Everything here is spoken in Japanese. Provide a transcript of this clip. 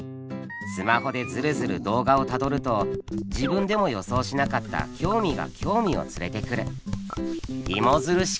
スマホでずるずる動画をたどると自分でも予想しなかった興味が興味を連れてくる。